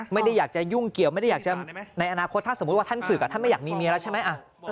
ไม่ได้อยากจะยุ่งเกี่ยวไม่ได้อยากจะในอนาคตถ้าสมมุติว่าท่านศึกท่านไม่อยากมีเมียแล้วใช่ไหม